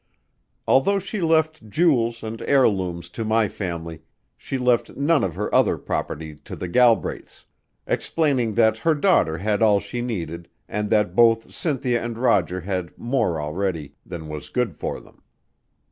Although she left jewels and heirlooms to my family, she left none of her other property to the Galbraiths, explaining that her daughter had all she needed and that both Cynthia and Roger had more already than was good for them."